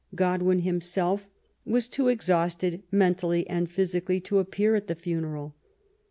Godwin himself was too exhausted mentally and physi cally to appear at the funeral.